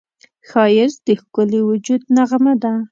ښایست د ښکلي وجود نغمه ده